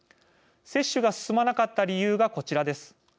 接種が進まなかった理由がこちらです。